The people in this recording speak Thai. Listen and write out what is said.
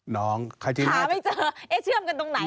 หาไม่เจอเอ๊ะเชื่อมกันตรงไหน